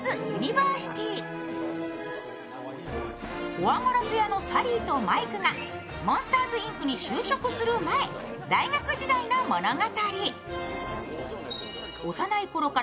怖がらせ屋のサリーとマイクがモンスターズ・インクに就職する前大学時代の物語。